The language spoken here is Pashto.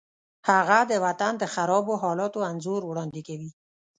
هغه د وطن د خرابو حالاتو انځور وړاندې کوي